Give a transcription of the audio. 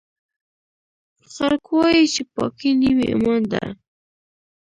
خلکوایي چې پاکۍ نیم ایمان ده